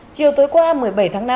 chiều tối qua một mươi bảy tháng năm